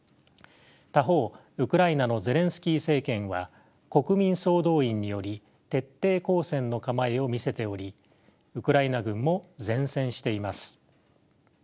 他方ウクライナのゼレンスキー政権は国民総動員により徹底抗戦の構えを見せておりウクライナ軍も善戦しています。